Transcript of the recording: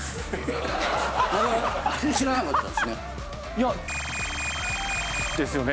知らなかったんですね。